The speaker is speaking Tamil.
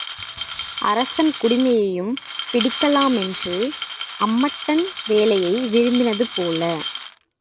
அரசன் குடுமியையும் பிடிக்கலாமென்று அம்பட்டன் வேலையை விரும்பினது போல.